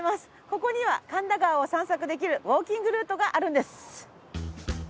ここには神田川を散策できるウォーキングルートがあるんです。